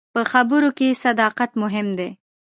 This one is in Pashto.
په خبرو کې صداقت مهم دی.